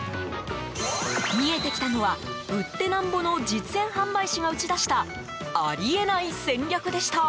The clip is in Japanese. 見えてきたのは、売ってなんぼの実演販売士が打ち出したあり得ない戦略でした。